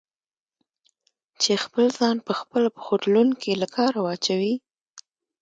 چې خپل ځان په خپله په خوټلون کې له کاره واچوي؟